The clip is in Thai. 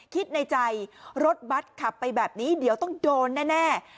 คิดในใจรถบัตรขับไปแบบนี้เดี๋ยวต้องโดนแน่